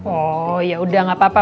oh ya udah gak apa apa